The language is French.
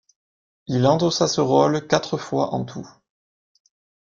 Il endossa ce rôle quatre fois en tout.